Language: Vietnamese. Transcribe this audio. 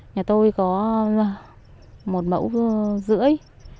nhà tôi có một mẫu rưỡi